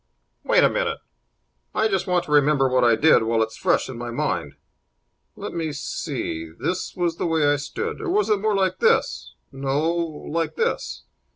"Wait a minute. I just want to remember what I did while it's fresh in my mind. Let me see, this was the way I stood. Or was it more like this? No, like this."